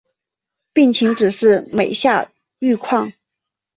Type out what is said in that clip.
病情只是每下愈况